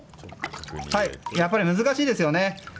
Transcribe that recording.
やっぱり難しいですよね。